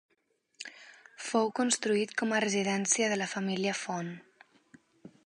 Fou construït com a residència de la família Font.